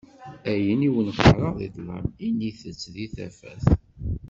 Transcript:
Ayen i wen-qqareɣ di ṭṭlam, init-tt di tafat.